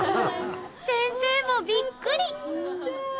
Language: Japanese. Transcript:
先生もびっくり！